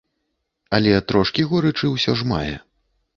Але трошкі горычы ўсё ж мае.